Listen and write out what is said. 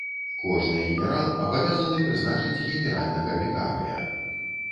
Кожны генерал абавязаны прызначыць генеральнага вікарыя.